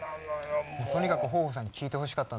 とにかく豊豊さんに聴いてほしかった。